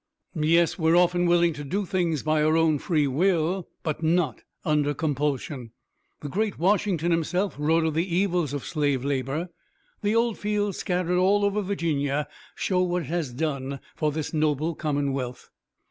"Yes, we're often willing to do things by our own free will, but not under compulsion. The great Washington himself wrote of the evils of slave labor. The 'old fields' scattered all over Virginia show what it has done for this noble commonwealth."